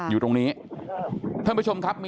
อยู่ตรงนี้